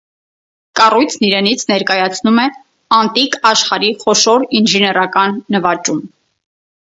Կառույցն իրենից ներկայացնում է անտիկ աշխարհի խոշոր ինժեներական նվաճում։